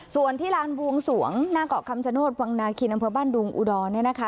ส่วนที่ลานบวงสวงหน้าเกาะคำชโนธวังนาคินอำเภอบ้านดุงอุดร